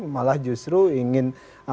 malah justru ingin